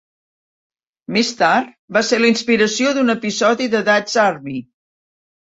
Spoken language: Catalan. Més tard, va ser la inspiració d'un episodi de Dad's Army.